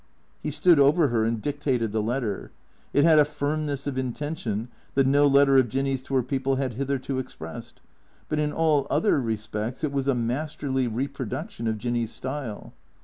He stood over her and dictated the letter. It had a firmness of intention that no letter of Jinny's to her people had hitherto expressed, but in all other respects it was a masterly reproduc tion of Jinny's style.